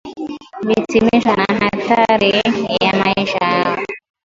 vitisho na hatari kwa maisha yao